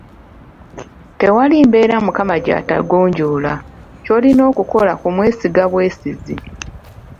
Tewali mbeera mukama gy'atagonjoola, ky’olina okukola kumwesiga bwesizi.